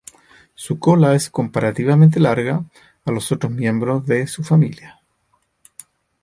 Su cola es comparativamente larga a los otros miembros de su familia.